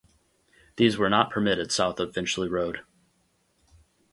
These were not permitted south of Finchley Road.